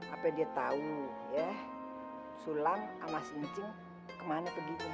apa dia tau ya sulam sama sincing kemana begitu ya